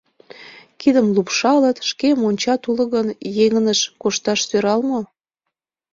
Кидым лупшалыт: шке мончат уло гын, еҥыныш кошташ сӧрал мо?